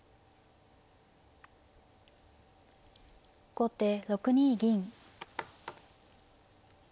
後手６二銀。